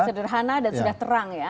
sederhana dan sudah terang ya